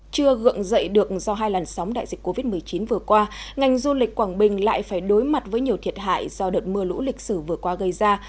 chưa gượng dậy được do hai làn sóng đại dịch covid một mươi chín vừa qua ngành du lịch quảng bình lại phải đối mặt với nhiều thiệt hại do đợt mưa lũ lịch sử vừa qua gây ra